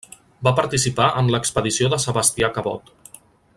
Va participar en l'expedició de Sebastià Cabot.